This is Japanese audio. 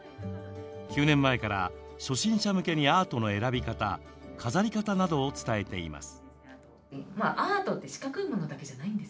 ９年前から初心者向けにアートの選び方、飾り方などを伝えています。